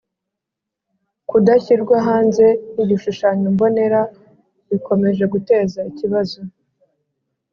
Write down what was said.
Kudashyirwa hanze k igishushanyo mbonera bikomeje guteza ikibazo